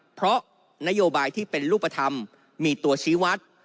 เพราะนโยบายที่เป็นรูปธรรมมีตัวชี้วัด